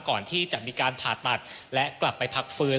ก่อนที่จะมีการผ่าตัดและกลับไปพักฟื้น